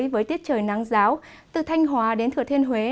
với tiết trời nắng giáo từ thanh hóa đến thừa thiên huế